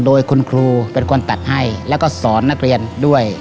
โดยคุณครูเป็นคนตัดให้แล้วก็สอนนักเรียนด้วย